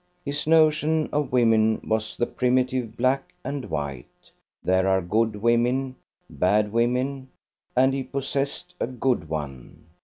His notion of women was the primitive black and white: there are good women, bad women; and he possessed a good one.